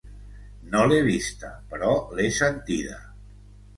No l'he vista, però l'he sentida.